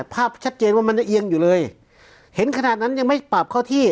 ภาพชัดเจนว่ามันจะเอียงอยู่เลยเห็นขนาดนั้นยังไม่ปรับเข้าที่